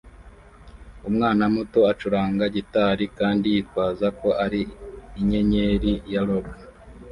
Umwana muto acuranga gitari kandi yitwaza ko ari inyenyeri ya rock